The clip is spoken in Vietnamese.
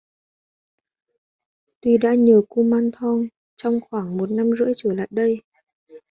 Tuy đã thờ kumanthong trong khoảng một năm rưỡi trở lại đây